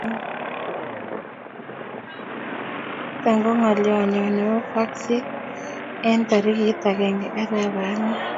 nitok ko ngolyonyo nebo faksit eng tarikit agenge arap angwan